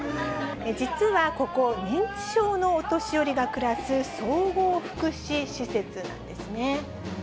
実はここ、認知症のお年寄りが暮らす総合福祉施設なんですね。